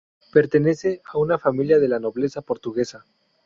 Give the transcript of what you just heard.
Pertenece a una familia de la nobleza portuguesa.